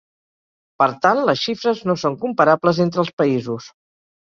Per tant, les xifres no són comparables entre els països.